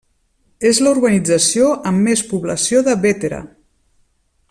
És la urbanització amb més població de Bétera.